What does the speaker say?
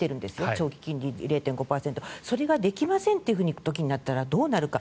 長期金利０．５％それができませんとなったらどうなるか。